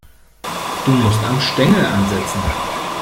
Du musst am Stängel ansetzen.